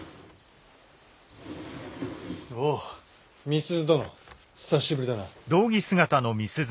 おお美鈴殿久しぶりだな。